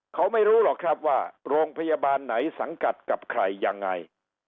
เขาไม่รู้หรอกครับว่าโรงพยาบาลไหนสังกัดกับใครยังไง